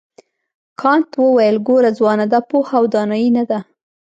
کانت وویل ګوره ځوانه دا پوهه او دانایي نه ده.